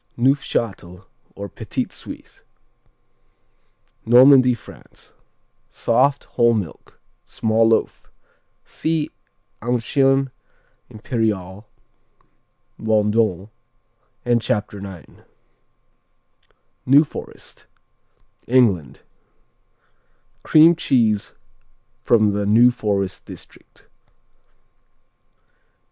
Neufchâtel, or Petit Suisse Normandy, France Soft; whole milk; small loaf. See Ancien Impérial, Bondon, and Chapter 9. New Forest England Cream cheese from the New Forest district.